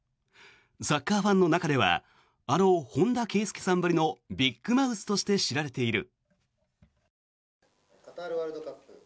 サッカーファンの中ではあの本田圭佑さんばりのビッグマウスとして知られている。